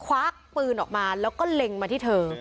คว้าปืนออกมาแล้วก็เล็งมาที่เธอ